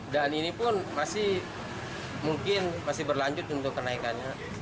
dan ini pun masih mungkin masih berlanjut untuk kenaikan